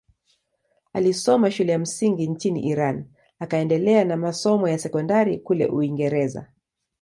Alisoma shule ya msingi nchini Iran akaendelea na masomo ya sekondari kule Uingereza.